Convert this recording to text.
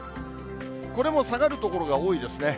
これも下がる所が多いですね。